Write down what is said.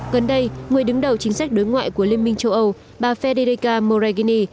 gần đây người đứng đầu chính sách đối ngoại của liên minh châu âu bà federica moregini